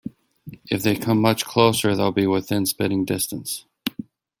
If they come much closer, they'll be within spitting distance.